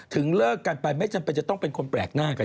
เลิกกันไปไม่จำเป็นจะต้องเป็นคนแปลกหน้ากัน